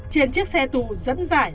trên chiếc xe tù dẫn giải